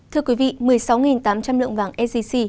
thưa quý vị một mươi sáu tám trăm linh lượng vàng sgc